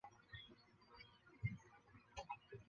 它的河道现会流经博格拉区内的废墟。